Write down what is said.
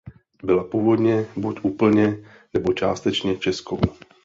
Byla původně buď úplně nebo částečně českou.